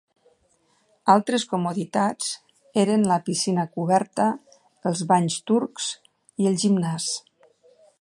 Altres comoditats eren la piscina coberta, els banys turcs i el gimnàs.